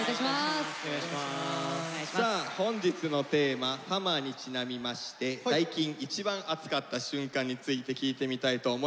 さあ本日のテーマ「ＳＵＭＭＥＲ」にちなみまして最近一番アツかった瞬間について聞いてみたいと思います。